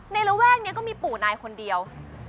ระแวกนี้ก็มีปู่นายคนเดียว